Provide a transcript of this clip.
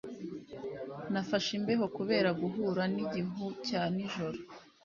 Nafashe imbeho kubera guhura nigihu cya nijoro